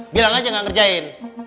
bilang aja gak ngerjain